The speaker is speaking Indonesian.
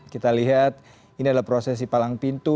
kita lihat ini adalah prosesi palang pintu